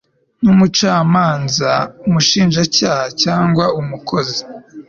n umucamanza umushinjacyaha cyangwa umukozi